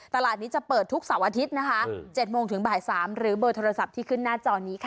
ตลาดนี้จะเปิดทุกเสาร์อาทิตย์นะคะ๗โมงถึงบ่าย๓หรือเบอร์โทรศัพท์ที่ขึ้นหน้าจอนี้ค่ะ